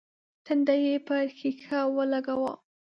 تندی يې پر ښيښه ولګاوه.